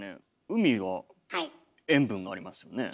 海は塩分がありますよね。